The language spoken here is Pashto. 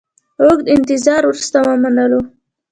اوږده انتظار وروسته ومنلو.